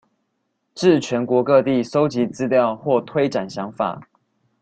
至全國各地蒐集資料或推展想法